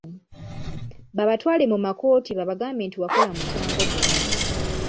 Babatwale mu makooti babagambe nti wakola musango guno.